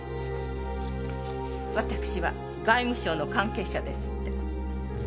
わたくしは外務省の関係者ですって。